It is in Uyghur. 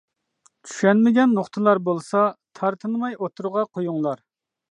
چۈشەنمىگەن نۇقتىلار بولسا تارتىنماي ئوتتۇرىغا قويۇڭلار.